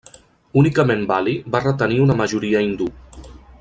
Únicament Bali va retenir una majoria hindú.